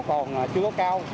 còn chưa có cao